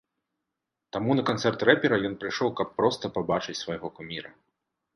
Таму на канцэрт рэпера ён прыйшоў, каб проста пабачыць свайго куміра.